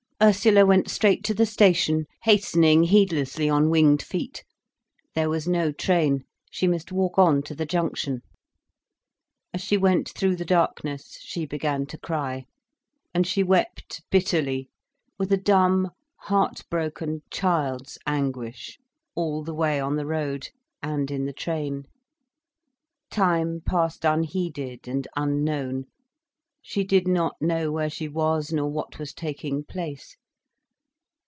Ursula went straight to the station, hastening heedlessly on winged feet. There was no train, she must walk on to the junction. As she went through the darkness, she began to cry, and she wept bitterly, with a dumb, heart broken, child's anguish, all the way on the road, and in the train. Time passed unheeded and unknown, she did not know where she was, nor what was taking place.